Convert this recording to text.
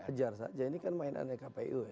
kejar saja ini kan mainannya kpu